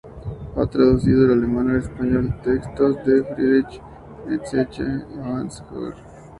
Ha traducido del alemán al español textos de Friedrich Nietzsche y Hans-Georg Gadamer.